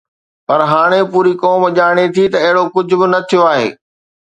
پر هاڻي پوري قوم ڄاڻي ٿي ته اهڙو ڪجهه به نه ٿيو آهي.